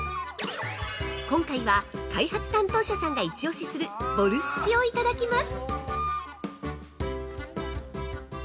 ◆今回は、開発担当者さんがイチオシする「ボルシチ」をいただきます